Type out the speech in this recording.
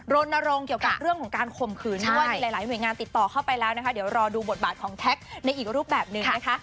โรนนรงค์เกี่ยวกับเรื่องของการข่มขืน